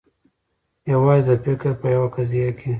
یوازي د فکر په یوه قضیه کي